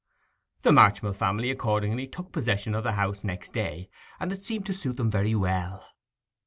The Marchmill family accordingly took possession of the house next day, and it seemed to suit them very well.